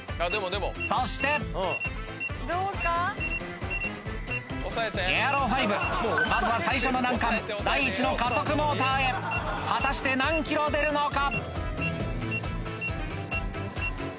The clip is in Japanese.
そしてエアロ５まずは最初の難関第１の加速モーターへ果たして何ｋｍ出るのか？